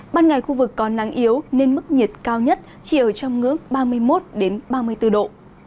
ban ngày khu vực có nắng yếu nên mức nhiệt cao nhất chỉ ở trong ngưỡng ba mươi một ba mươi bốn độ